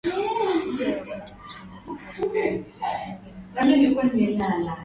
kifua wakati wa shambulizi la moyo na kwa maumivu ya mtu aliyepata